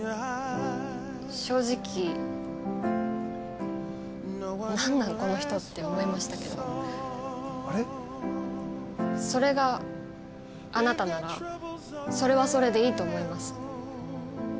正直何なんこの人って思いましたけどそれがあなたならそれはそれでいいと思います。